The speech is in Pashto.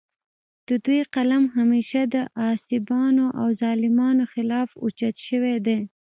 د دوي قلم همېشه د غاصبانو او ظالمانو خالف اوچت شوے دے